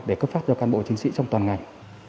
để cấp phát cho cán bộ chiến sĩ trong toàn ngành